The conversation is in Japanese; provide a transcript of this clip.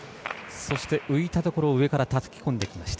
浮いたところを上からたたき込んできました。